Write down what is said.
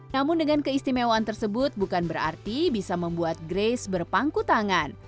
namun dengan keistimewaan tersebut bukan berarti bisa membuat grace berpangku tangan